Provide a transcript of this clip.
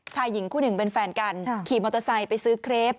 หญิงคู่หนึ่งเป็นแฟนกันขี่มอเตอร์ไซค์ไปซื้อเครป